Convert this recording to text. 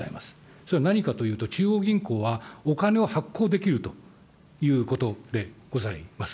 それは何かというと、中央銀行はお金を発行できるということでございます。